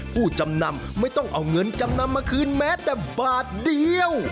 ผู้จำนำไม่ต้องเอาเงินจำนำมาคืนแม้แต่บาทเดียว